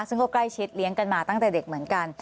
ซึ่งก็ใกล้ชิดเลี้ยงกันมาตั้งแต่เด็กเหมือนกัน